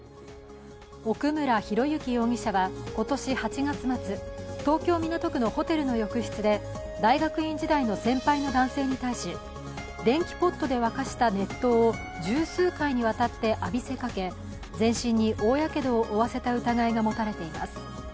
奧村啓志容疑者は今年８月末、東京・港区のホテルの浴室で大学院時代の先輩の男性に対し電気ポットで沸かした熱湯を十数回にわたって浴びせかけ全身に大やけどを負わせた疑いが持たれています。